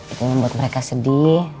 itu yang membuat mereka sedih